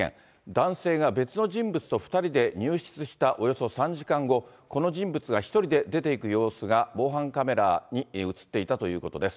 男性が別の人物と２人で入室したおよそ３時間後、この人物が１人で出ていく様子が、防犯カメラに写っていたということです。